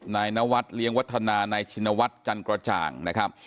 นายนวัตรเลี้ยงวัฒนานายชินวัตรจันกรจ่าง